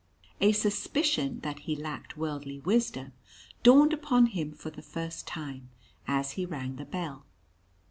A suspicion that he lacked worldly wisdom dawned upon him for the first time, as he rang the bell.